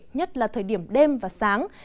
nhất là thời điểm đêm và sáng